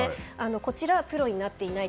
こちらはプロになっていない。